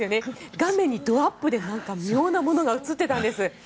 画面にドアップで妙なものが映っていたんです。